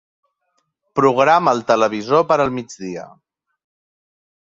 Programa el televisor per al migdia.